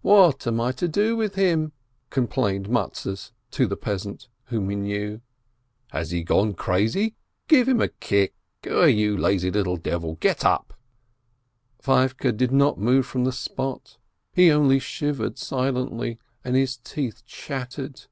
What am I to do with him?" complained Mattes to the peasant, whom he knew. "Has he gone crazy? Give him a kick ! Ai, you little lazy devil, get up!" Feivke did not move from the spot, he only shivered silently, and his teeth chattered.